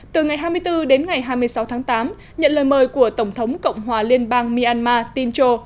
từ ngày hai mươi bốn đến ngày hai mươi sáu tháng tám nhận lời mời của tổng thống cộng hòa liên bang myanmar tinchcho